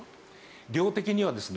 量的にはですね。